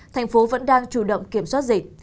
thành phố vẫn đang chủ động kiểm soát dịch